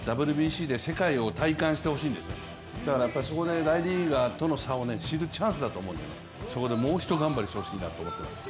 ＷＢＣで世界を体感してほしいんですだからそこで、大リーガーとの差を知るチャンスだと思いますのでそこでもうひと頑張りしてほしいなと思ってます。